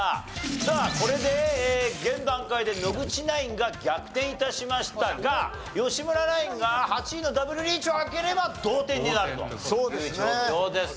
さあこれで現段階で野口ナインが逆転致しましたが吉村ナインが８位のダブルリーチを開ければ同点になるという状況です。